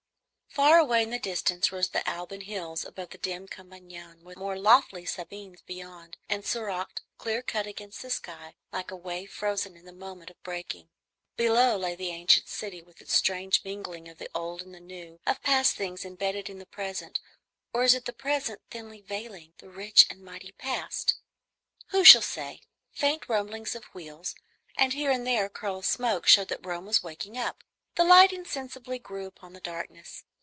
Far away in the distance rose the Alban Hills above the dim Campagna, with the more lofty Sabines beyond, and Soracte, clear cut against the sky like a wave frozen in the moment of breaking. Below lay the ancient city, with its strange mingling of the old and the new, of past things embedded in the present; or is it the present thinly veiling the rich and mighty past, who shall say? Faint rumblings of wheels and here and there a curl of smoke showed that Rome was waking up. The light insensibly grew upon the darkness.